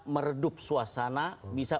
meredup suasana bisa